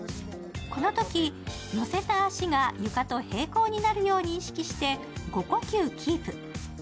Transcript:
このとき乗せた足が床と平行になるように遺棄して５呼吸キープ。